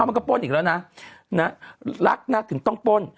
มันก็ป้นอีกแล้วนะรักนะถึงต้องป้น